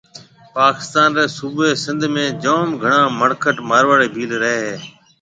پاڪستان ري صُوبَي سنڌ ۾ جام گھڻا مڙکٽ (مارواڙي ڀيل) رهيَ هيَ